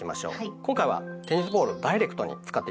今回はテニスボールをダイレクトに使っていきますよ。